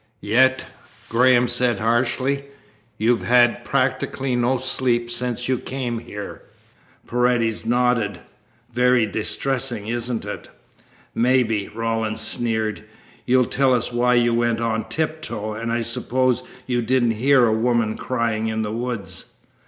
"Yet," Graham said harshly, "you have had practically no sleep since you came here." Paredes nodded. "Very distressing, isn't it?" "Maybe," Rawlins sneered, "you'll tell us why you went on tiptoe, and I suppose you didn't hear a woman crying in the woods?"